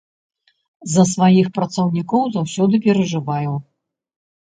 За сваіх працаўнікоў заўсёды перажываю.